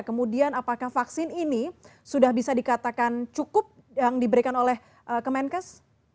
kemudian apakah vaksin ini sudah bisa dikatakan cukup yang diberikan oleh kemenkes